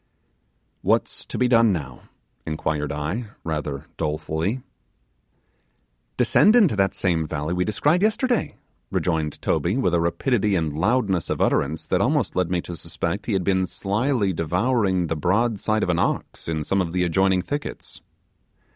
'What's to be done now?' inquired I, rather dolefully. 'Descend into that same valley we descried yesterday.' rejoined Toby, with a rapidity and loudness of utterance that almost led me to suspect he had been slyly devouring the broadside of an ox in some of the adjoining thickets.